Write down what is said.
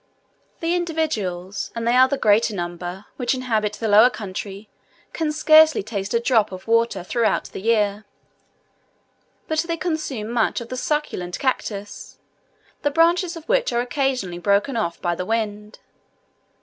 The individuals, and they are the greater number, which inhabit the lower country, can scarcely taste a drop of water throughout the year; but they consume much of the succulent cactus, the branches of which are occasionally broken off by the wind.